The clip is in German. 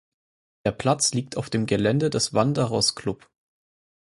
Der Platz liegt auf dem Gelände des Wanderers Club.